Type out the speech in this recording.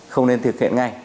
không nên thực hiện ngay